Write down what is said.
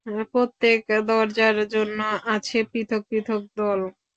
প্রত্যেক দরজার জন্য আছে পৃথক পৃথক দল।